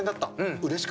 うれしかった。